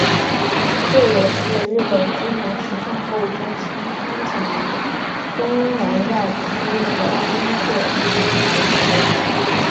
这也是日本知名时尚购物中心三井于东南亚区域的第一座名牌城。